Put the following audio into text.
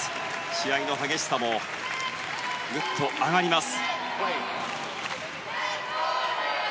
試合の激しさもぐっと上がります。